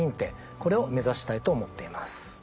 これを目指したいと思っています。